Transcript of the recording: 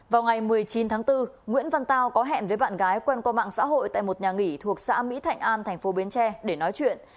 vào ngày một mươi chín tháng bốn nguyễn văn tao có hẹn với bạn gái quen qua mạng xã hội tại một nhà nghỉ thuộc xã mỹ thạnh an thành phố bến tre để nói chuyện